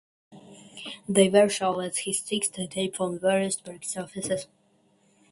They were showered with ticker tape from the various brokers' offices.